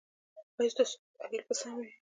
ایا ستاسو تحلیل به سم وي؟